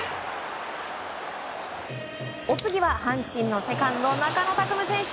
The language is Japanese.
お次は阪神のセカンド中野拓夢選手。